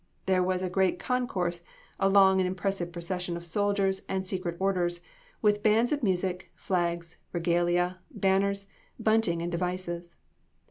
There was a great concourse, a long and impressive procession of soldiers and secret orders, with bands of music, flags, regalia, banners, bunting and devices.